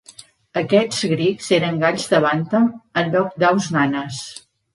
Aquests Grigs eren galls de Bantam en lloc d'aus nanes.